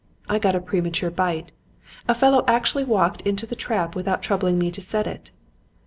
I got a premature bite. A fellow actually walked into the trap without troubling me to set it.